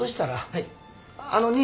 はい？